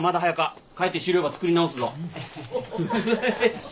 帰って資料ば作り直すぞ。